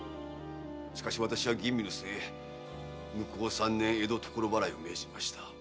しかし私は吟味の末向こう三年江戸所払いを命じました。